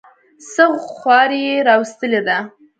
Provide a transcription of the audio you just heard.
څه خواري یې راوستلې ده.